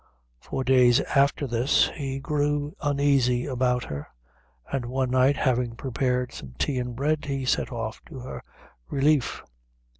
Four days after this he grew uneasy about her, and one night having prepared some tea and bread, he set off to her ralief.